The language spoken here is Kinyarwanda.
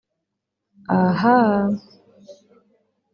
Ahaaa